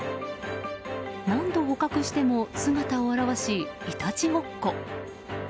何度捕獲しても姿を現しいたちごっこ。